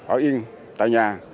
ở yên tại nhà